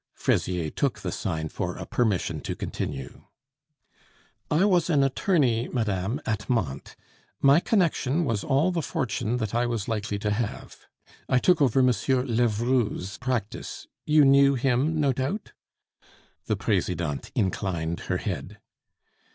Fraisier took the sign for a permission to continue. "I was an attorney, madame, at Mantes. My connection was all the fortune that I was likely to have. I took over M. Levroux's practice. You knew him, no doubt?" The Presidente inclined her head.